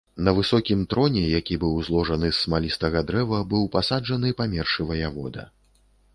На высокім троне, які быў зложаны з смалістага дрэва, быў пасаджаны памёршы ваявода.